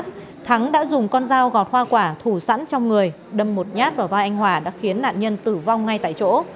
trước đó thắng đã dùng con dao gọt hoa quả thủ sẵn trong người đâm một nhát vào vai anh hòa đã khiến nạn nhân tử vong ngay tại chỗ